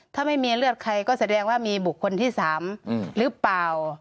ถ้าไม่มีเลือดใครก็แสดงว่ามีบุคคลที่๓หรือเปล่า